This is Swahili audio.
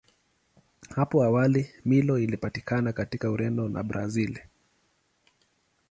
Hapo awali Milo ilipatikana katika Ureno na Brazili.